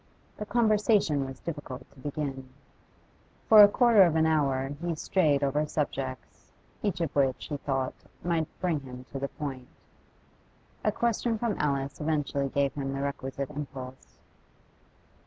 The conversation was difficult to begin. For a quarter of an hour he strayed over subjects, each of which, he thought, might bring him to the point. A question from Alice eventually gave him the requisite impulse.